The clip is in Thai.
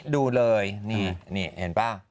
ดูเลยนี่เห็นป่ะ